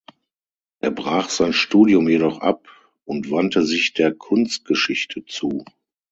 Er brach sein Studium jedoch ab und wandte sich der Kunstgeschichte zu.